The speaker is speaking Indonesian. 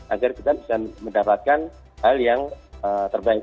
agar kita bisa mendapatkan hal yang terbaik